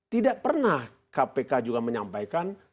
tidak pernah kpk juga menyampaikan